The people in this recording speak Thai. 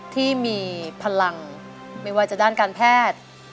ที่มีพลังไม่ว่าจะด้านการแพทย์